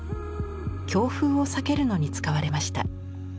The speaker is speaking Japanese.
強風を避けるのに使われました。